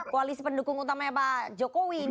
koalisi pendukung utama pak jokowi